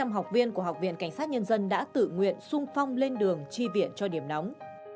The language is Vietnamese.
ba trăm linh học viên của học viện cảnh sát nhân dân đã tự nguyện sung phong lên đường tri viện cho điểm nóng